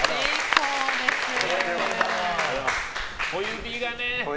小指がね